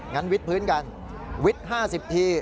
งั้นวิทย์พื้นกันวิทย์๕๐ที